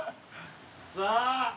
さあ！